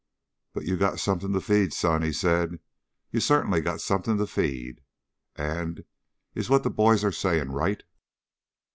"But you got something to feed, son," he said. "You certainly got something to feed. And is what the boys are saying right?"